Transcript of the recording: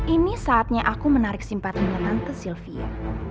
ini saatnya aku menarik simpatinya nanti sylvia